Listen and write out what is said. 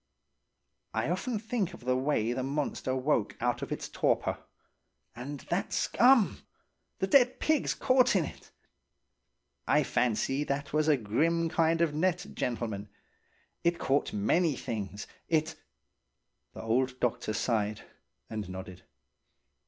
I often think of the way the monster woke out of its torpor. And that scum! The dead pigs caught in i! I fancy that was a grim kind of a net, gentlemen. It caught many things. It —" The old doctor sighed and nodded.